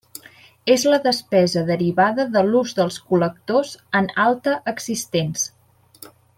És la despesa derivada de l'ús dels col·lectors en alta existents.